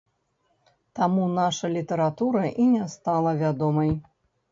Таму наша літаратура і не стала вядомай.